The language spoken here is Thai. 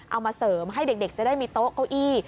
เอามาเสริมให้เด็กจะได้มีโต๊ะเก้าอี้